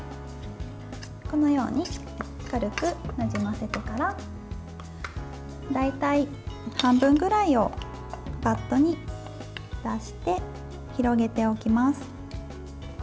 このように軽くなじませてから大体半分ぐらいをバットに出して広げておきます。